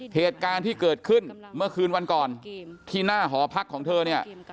เหตุการณ์ที่เกิดขึ้นเมื่อคืนวันก่อนที่หน้าหอพักของเธอเนี่ย